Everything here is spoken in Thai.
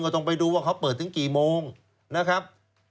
ต้องไปดูว่าเขาเปิดถึงกี่โมงนะครับ